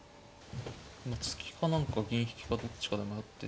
突きか何か銀引きかどっちかで迷ってて。